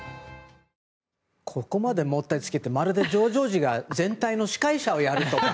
ここまでもったいつけてまるでジョージ王子が全体の司会者をやるとか